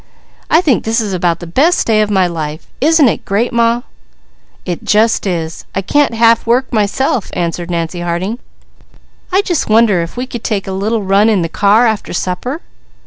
I think this is about the best day of my life. Isn't it great, Ma?" "It just is! I can't half work, myself!" answered Nancy Harding. "I just wonder if we could take a little run in the car after supper?"